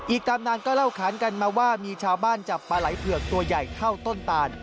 ตามนานก็เล่าขานกันมาว่ามีชาวบ้านจับปลาไหล่เผือกตัวใหญ่เข้าต้นตาล